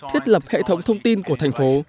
thiết lập hệ thống thông tin của thành phố